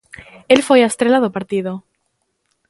El foi a estrela do partido.